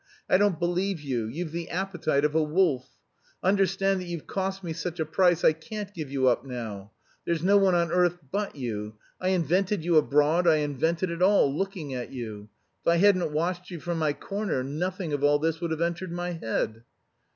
I don't believe you, you've the appetite of a wolf!... Understand that you've cost me such a price, I can't give you up now! There's no one on earth but you! I invented you abroad; I invented it all, looking at you. If I hadn't watched you from my corner, nothing of all this would have entered my head!"